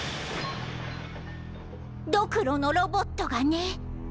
ドクロのロボットがね。